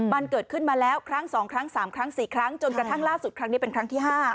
มันเกิดขึ้นมาแล้วครั้ง๒ครั้ง๓ครั้ง๔ครั้งจนกระทั่งล่าสุดครั้งนี้เป็นครั้งที่๕